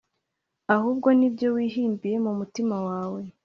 ahubwo ni ibyo wihimbiye mu mutima wawe.